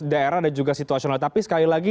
daerah dan juga situasional tapi sekali lagi